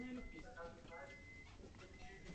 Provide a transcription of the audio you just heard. nda alama ya kujumulisha mbili tano tano saba sita nne